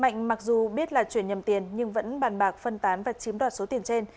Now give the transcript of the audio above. mạnh mặc dù biết là chuyển nhầm tiền nhưng vẫn bàn bạc phân tán và chiếm đoạt số tiền trên